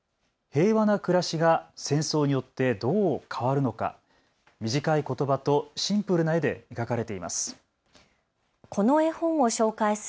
平和な暮らしが戦争によってどう変わるのか、短いことばとシンプルな絵で描かれています。